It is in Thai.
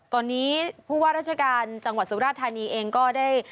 ตอนนี้ผู้ว่าราชเกิร์นจังหวัดสุธรกรรมนานธนียังก็ได้